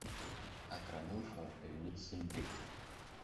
Акранылфа аҩны дзымтәеит.